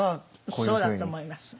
そうだと思います。